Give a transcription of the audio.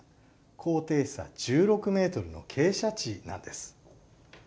高低差１６ｍの傾斜地なんです。